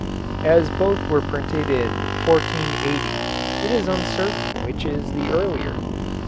As both were printed in 1480 it is uncertain which is the earlier.